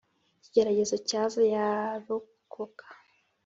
ikigeragezo cyaza yarokoka.